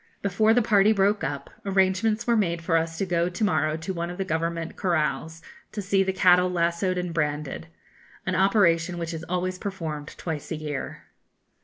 Before the party broke up, arrangements were made for us to go to morrow to one of the Government corrals, to see the cattle lassoed and branded an operation which is always performed twice a year.